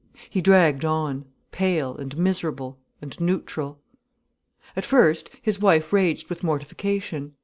He dragged on, pale and miserable and neutral. At first his wife raged with mortification.